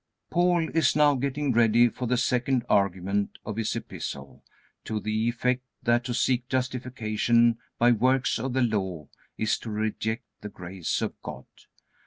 Paul is now getting ready for the second argument of his Epistle, to the effect that to seek justification by works of the Law, is to reject the grace of God.